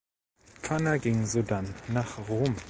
Pfanner ging sodann nach Rom.